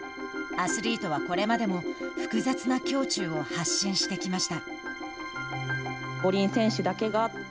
アスリートはこれまでも複雑な胸中を発信してきました。